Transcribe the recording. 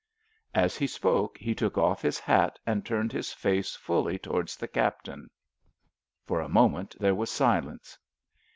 As he spoke he took off his hat and turned his face fully towards the Captain. For a moment there was silence.